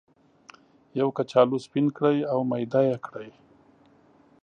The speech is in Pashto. یو کچالو سپین کړئ او میده یې کړئ.